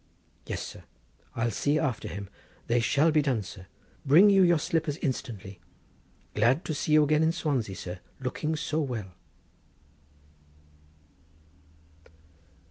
"Yes, sir; I'll see after him—they shall be done, sir. Bring you your slippers instantly. Glad to see you again in Swansea, sir, looking so well."